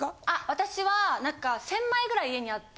私はなんか１０００枚ぐらい家にあって。